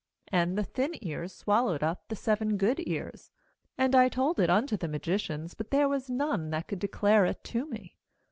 ^And the thin ears swallowed up the seven good ears. And I told it unto the magicians; but there was none that could declare it to me.'